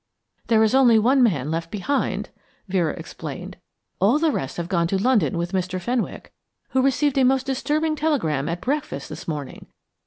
"There is only one man left behind." Vera explained. "All the rest have gone to London with Mr. Fenwick, who received a most disturbing telegram at breakfast this morning.